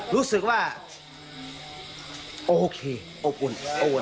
รู้สึกว่าโอเคอบอุ่น